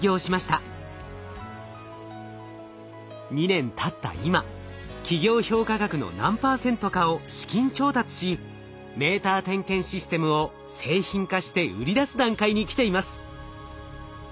２年たった今企業評価額の何％かを資金調達しメーター点検システムを製品化して売り出す段階にきています。